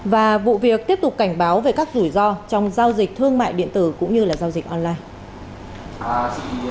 và vụ việc tiếp tục cảnh báo về các rủi ro trong giao dịch thương mại điện tử cũng như giao dịch online